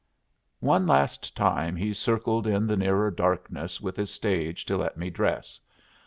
One last time he circled in the nearer darkness with his stage to let me dress.